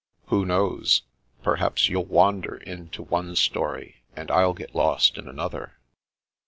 " Who knows ? Perhaps you'll wander into one story, and I'll get lost in another."